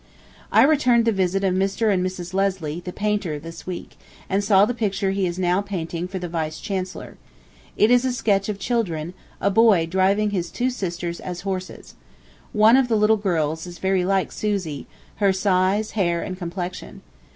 I returned the visit of Mr. and Mrs. Leslie, the painter, this week, and saw the picture he is now painting for the Vice Chancellor. It is a sketch of children, a boy driving his two little sisters as horses. One of the little girls is very like Susie, her size, hair, and complexion.